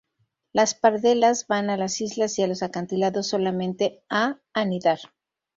Las pardelas van a las islas y a los acantilados solamente a anidar.